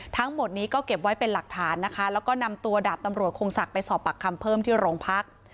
ทั้งหมดนี้ก็เก็บไว้เป็นหลักฐานนะคะแล้วก็นำตัวดาบตำรวจคงศักดิ์ไปสอบปากคำเพิ่มที่โรงพัก